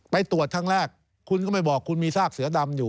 ไปตรวจครั้งแรกคุณก็ไม่บอกคุณมีซากเสือดำอยู่